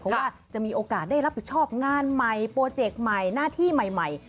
เพราะว่าจะมีโอกาสได้รับผิดชอบงานใหม่โปรเจกต์ใหม่หน้าที่ใหม่